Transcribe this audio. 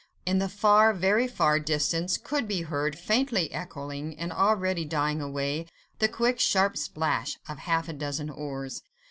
In the far, very far distance, could be heard faintly echoing and already dying away, the quick, sharp splash of half a dozen oars.